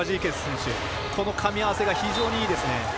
このかみ合わせが非常にいいですね。